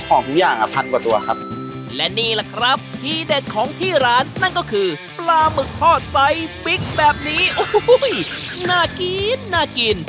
ทุกอย่างอ่ะพันกว่าตัวครับและนี่แหละครับทีเด็ดของที่ร้านนั่นก็คือปลาหมึกทอดไซส์ปิ๊กแบบนี้โอ้โหน่ากินน่ากิน